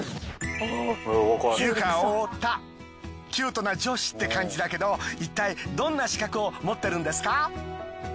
ユカ・オオタキュートな女子って感じだけどいったいどんな資格を持ってるんですか？